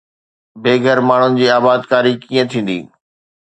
بي گهر ماڻهن جي آبادڪاري ڪيئن ٿيندي؟